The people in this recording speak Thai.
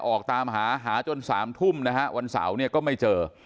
ออกตามหาหาจน๓ทุ่มนะฮะวันเสาร์เนี่ยก็ไม่เจอ